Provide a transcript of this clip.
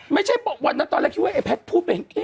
ไม่ใช่บอกวันนั้นตอนแรกคิดว่าไอแพทย์พูดไป